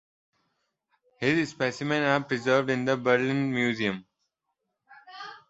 His specimens are preserved in the Berlin Museum.